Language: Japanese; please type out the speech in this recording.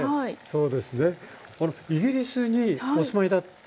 そうですね。